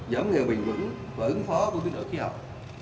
giảm nghề bình đủng và ứng phó với đổi khí hậu